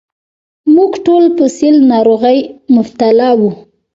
موږ ټول په سِل ناروغۍ مبتلا وو.